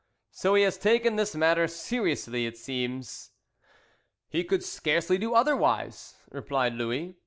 so he has taken this matter seriously it seems." "He could scarcely do otherwise," replied Louis.